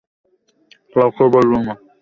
কাউকে বলবো না।